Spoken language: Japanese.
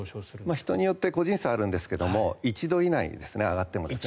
人によって個人差があるんですけど１度以内、上がっても。